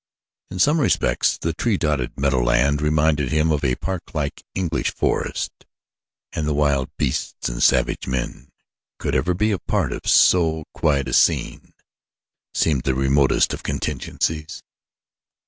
In some respects the tree dotted meadowland reminded him of a park like English forest, and that wild beasts and savage men could ever be a part of so quiet a scene seemed the remotest of contingencies.